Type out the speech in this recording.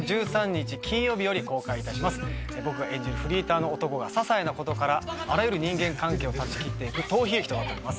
僕が演じるフリーターの男がささいなことからあらゆる人間関係を断ち切って行く逃避劇となります。